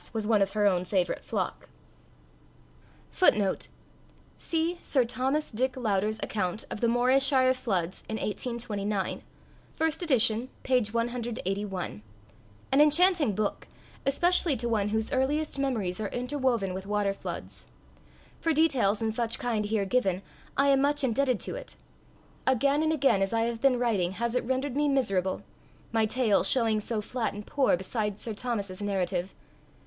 was one of her own favourite flock." See Sir Thomas Dick Lauder's account of the Morayshire Floods in 1829 (1st Ed., p. 181) an enchanting book, especially to one whose earliest memories are interwoven with water floods. For details in such kind here given, I am much indebted to it. Again and again, as I have been writing, has it rendered me miserable my tale showing so flat and poor beside Sir Thomas's narrative.